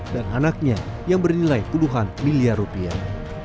dan anaknya yang bernilai puluhan miliar rupiah